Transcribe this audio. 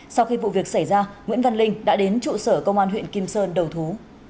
sau khi vụ việc xảy ra nguyễn văn linh đã đến trụ sở công an huyện kim sơn đầu thú